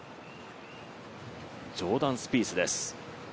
ジョーダン・スピースです。